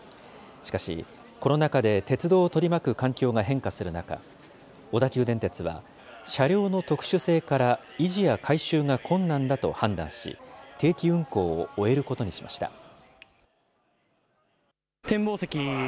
しかし、コロナ禍で鉄道を取り巻く環境が変化する中、小田急電鉄は車両の特殊性から維持や改修が困難だと判断し、定期運行を終えることにしました。